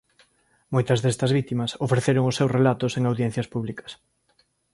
Moitas destas vítimas ofreceron os seus relatos en audiencias públicas.